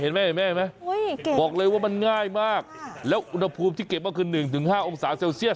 เห็นไหมบอกเลยว่ามันง่ายมากแล้วอุณหภูมิที่เก็บว่าคือหนึ่งถึงห้าองศาเซลเซียส